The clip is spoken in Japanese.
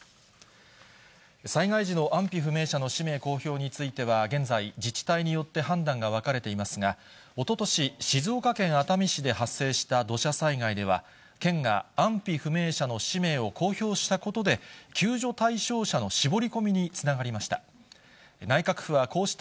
災害時の安否不明者の氏名公表については、現在、自治体によって判断が分かれていますが、おととし、静岡県熱海市で発生した土砂災害では、県が安否不明者の氏名を公表したことで、救助対象者の絞り込みにつながりました。